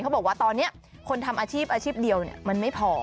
บอกว่าตอนนี้คนทำอาชีพอาชีพเดียวมันไม่พอ